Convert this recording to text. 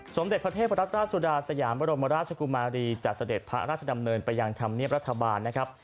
สมเด็จพระเทพรัตราชสุดาสยามบรมราชกุมารีจัดเสด็จพระราชดำเนินไปยังธรรมเนียบรัฐบาลนะครับ